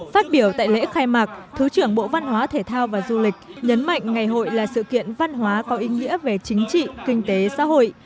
phát biểu tại lễ khai mạc thứ trưởng bộ văn hóa thể thao và du lịch nhấn mạnh ngày hội là sự kiện văn hóa có ý nghĩa về chính trị kinh tế xã hội